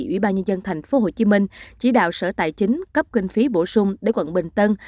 ủy ban nhân dân thành phố hồ chí minh chỉ đạo sở tài chính cấp kinh phí bổ sung để quận bình tân